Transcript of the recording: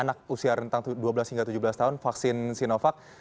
anak usia rentang dua belas hingga tujuh belas tahun vaksin sinovac